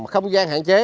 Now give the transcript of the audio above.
không gian hạn chế